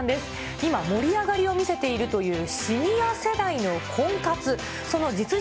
今盛り上がりを見せているというシニア世代の婚活。